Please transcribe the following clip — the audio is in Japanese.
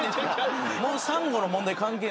もうサンゴの問題関係ないんで。